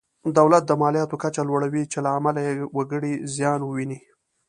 دولت د مالیاتو کچه لوړوي چې له امله یې وګړي زیان ویني.